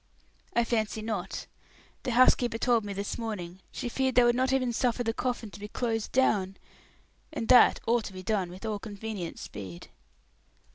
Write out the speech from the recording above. "I fancy not. The housekeeper told me, this morning, she feared they would not even suffer the coffin to be closed down. And that ought to be done with all convenient speed."